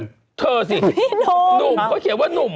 นุ่มนะพี่ก็เขียนว่านุ่ม